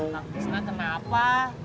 kang bisna kenapa